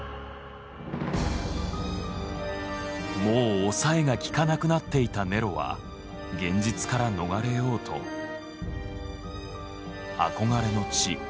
もう抑えがきかなくなっていたネロは現実から逃れようと憧れの地